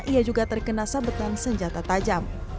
ia juga terkena sabetan senjata tajam